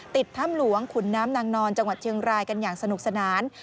ถ้ำหลวงขุนน้ำนางนอนจังหวัดเชียงรายกันอย่างสนุกสนาน